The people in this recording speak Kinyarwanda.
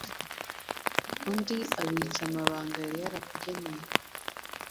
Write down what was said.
undi abitsa amabanga yari yarakugeneye